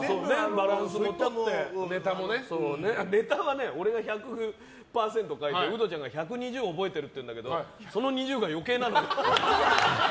ネタは俺が１００％書いてウドちゃんが１２０覚えてるっていうんだけどその２０が余計なんだよ。